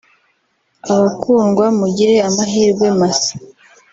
abakundwa mugire amahirwe masaaaa